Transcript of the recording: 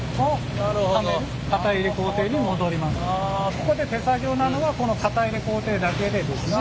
ここで手作業なのはこの型入れ工程だけでですね